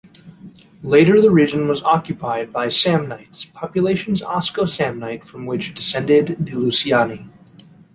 Later the region was occupied by Samnites, populations Osco-Samnite from which descend the Luciani.